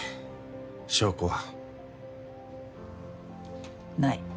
証拠は？ない。